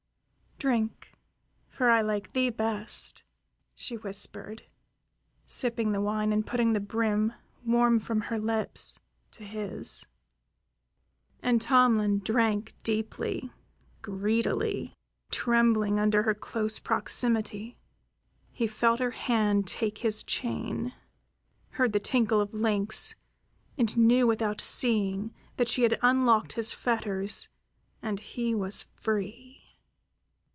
"Drink, for I like thee best," she whispered, sipping the wine and putting the brim, warm from her lips, to his. And Tomlin drank deeply, greedily, trembling under her close proximity. He felt her hand take his chain, heard the tinkle of links, and knew, without seeing, that she had unlocked his fetters and he was free.